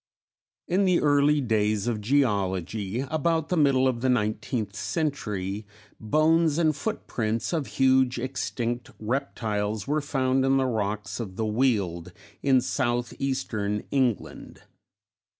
_ In the early days of geology, about the middle of the nineteenth century, bones and footprints of huge extinct reptiles were found in the rocks of the Weald in south eastern England.